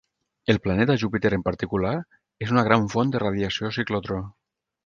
El planeta Júpiter en particular és una gran font de radiació ciclotró.